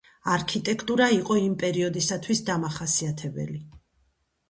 არქიტექტურა იყო იმ პერიოდისათვის დამახასიათებელი.